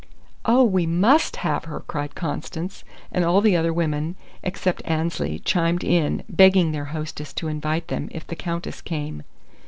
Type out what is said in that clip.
'" "Oh, we must have her!" cried Constance, and all the other women except Annesley chimed in, begging their hostess to invite them if the Countess came.